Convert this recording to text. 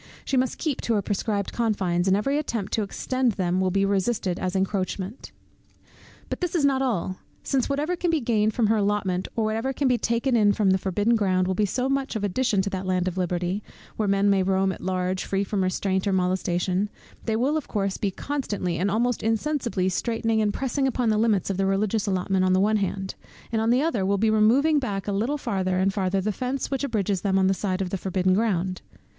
She must keep to her prescribed confines, and every attempt to extend them will be resisted as an encroachment. But this is not all. Since whatever can be gained from her allotment, or whatever can be taken in from the forbidden ground, will be so much of addition to that land of liberty, where men may roam at large, free from restraint or molestation, they will of course be constantly, and almost insensibly, straitening and pressing upon the limits of the religious allotment on the one hand; and on the other, will be removing back a little farther and farther the fence which abridges them on the side of the forbidden ground.